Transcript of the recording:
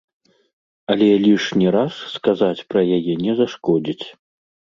Але лішні раз сказаць пра яе не зашкодзіць.